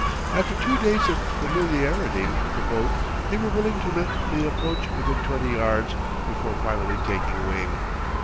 After two days of familiarity with the boat they were willing to let me approach within twenty yards before finally taking wing.